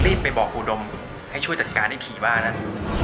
รีบไปบอกครูดมให้ช่วยจัดการพี่บ้านั้น